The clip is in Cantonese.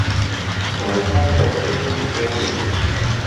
在康河的柔波裡